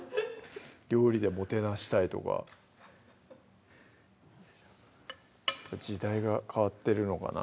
料理でもてなしたいとか時代が変わってるのかな